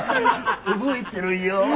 覚えてろよ。